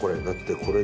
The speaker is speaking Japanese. これ。